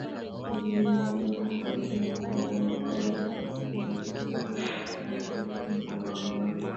mlimani Tofauti ya msingi ni kuwa kwa mujibu wa Kristo ni kwa neema